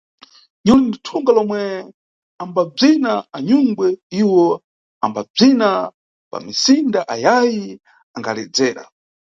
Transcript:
Njole ni thunga lomwe ambabzina anyungwe, iwo ambabzina pamisinda ayayi angaledzera.